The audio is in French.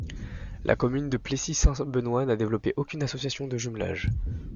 La commune de Plessis-Saint-Benoist n'a développé aucune association de jumelage.